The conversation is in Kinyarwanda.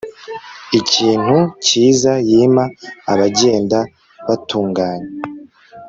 ikintu cyiza yima abagenda batunganye